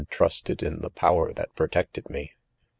trusted in the power that. protected me.